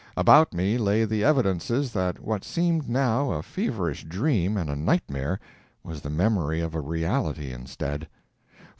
About me lay the evidences that what seemed now a feverish dream and a nightmare was the memory of a reality instead.